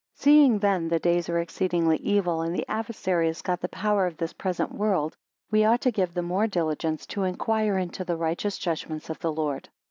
SEEING then the days are exceedingly evil, and the adversary has got the power of this present world we ought to give the more diligence to inquire into the righteous judgments of the Lord.